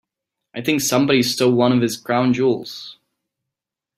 I think somebody stole one of his crown jewels.